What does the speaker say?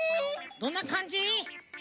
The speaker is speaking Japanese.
どんなかんじ？